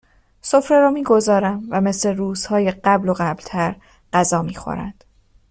سفره را میگذارم و مثل روزهای قبل و قبلتر غذا میخورند